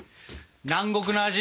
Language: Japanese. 南国の味